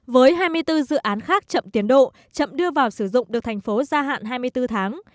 với hai mươi bốn dự án khác chậm tiến độ chậm đưa vào sử dụng được thành phố gia hạn hai mươi bốn tháng